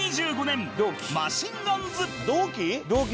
同期？